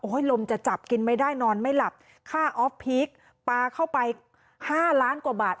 ลมจะจับกินไม่ได้นอนไม่หลับค่าออฟพีคปลาเข้าไปห้าล้านกว่าบาท